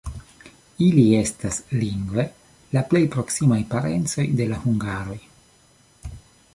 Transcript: Ili estas lingve la plej proksimaj parencoj de la hungaroj.